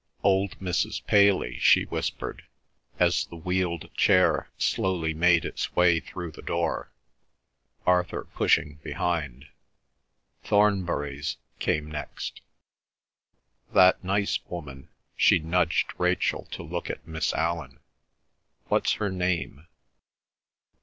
"Old Mrs. Paley," she whispered as the wheeled chair slowly made its way through the door, Arthur pushing behind. "Thornburys" came next. "That nice woman," she nudged Rachel to look at Miss Allan. "What's her name?"